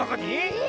え！